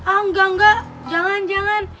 enggak enggak jangan jangan